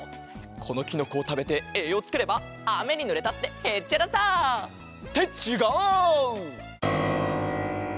このきのこをたべてえいようつければあめにぬれたってへっちゃらさ！ってちがう！